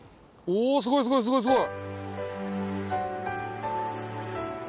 おすごいすごいすごいすごい！